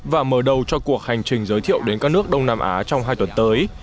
và mở đầu cho cuộc hành trình giới thiệu đến các nước đông nam á trong hai tuần tới